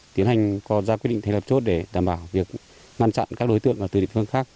tiến hành ra quyết định thành lập chốt để đảm bảo việc ngăn chặn các đối tượng từ địa phương khác